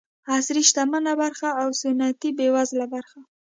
عصري شتمنه برخه او سنتي بېوزله برخه.